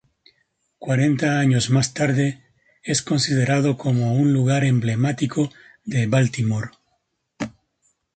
Cuarenta años más tarde, es considerado como un lugar emblemático de Baltimore.